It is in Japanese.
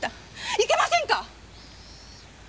いけませんか！？